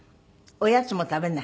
おやつも食べない？